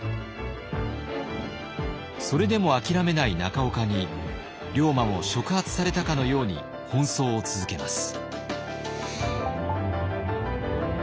それでも諦めない中岡に龍馬も触発されたかのように奔走を続けます。